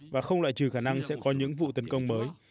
và không loại trừ khả năng sẽ có những vụ tấn công mới